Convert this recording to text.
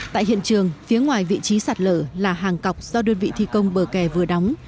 tại hiện trường phía ngoài vị trí sạt lở là hàng cọc do đơn vị thi công bờ kè vừa đóng